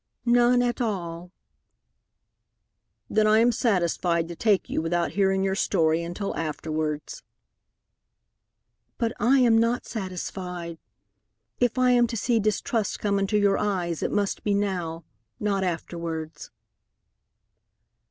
"None at all." "Then I am satisfied to take you without hearing your story until afterwards." "But I am not satisfied. If I am to see distrust come into your eyes, it must be now, not afterwards."